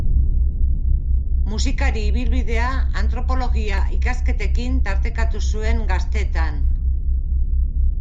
Musikari ibilbidea antropologia ikasketekin tartekatu zuen gaztetan.